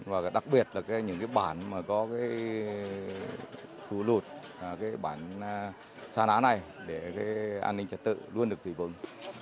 và đặc biệt là những cái bản mà có cái khu lụt cái bản xa lá này để cái an ninh trật tự luôn được dịch vụng